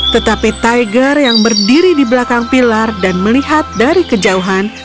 tetapi tiger yang berdiri di belakang pilar dan melihat dari kejauhan